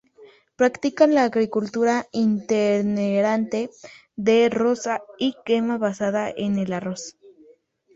Practican una agricultura itinerante de roza y quema basada en el arroz.